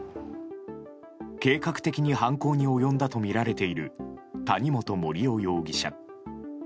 計画的に犯行に及んだとみられている谷本盛雄容疑者。